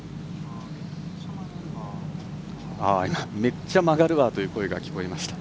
めっちゃ曲がるわという声が聞こえました。